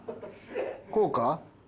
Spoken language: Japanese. こうか？